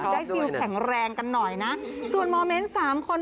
ซิลแข็งแรงกันหน่อยนะส่วนโมเมนต์สามคน